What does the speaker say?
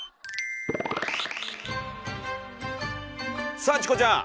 さあチコちゃん！